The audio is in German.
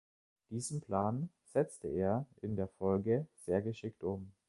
Diesen Plan setzte er in der Folge sehr geschickt um.